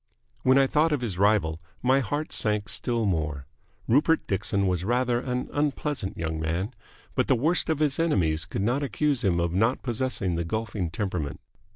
When I thought of his rival my heart sank still more. Rupert Dixon was rather an unpleasant young man, but the worst of his enemies could not accuse him of not possessing the golfing temperament.